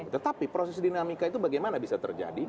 tetapi proses dinamika itu bagaimana bisa terjadi